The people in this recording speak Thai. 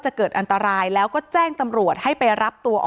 อ๋อเจ้าสีสุข่าวของสิ้นพอได้ด้วย